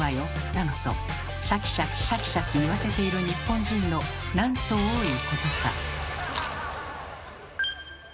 だのとシャキシャキシャキシャキいわせている日本人のなんと多いことか。